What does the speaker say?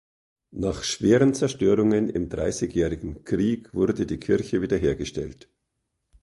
Nach schweren Zerstörungen im Dreißigjährigen Krieg wurde die Kirche wiederhergestellt.